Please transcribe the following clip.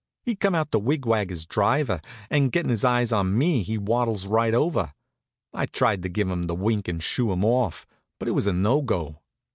He'd come out to wig wag his driver, and, gettin' his eyes on me, he waddles right over. I tried to give him the wink and shoo him off, but it was no go.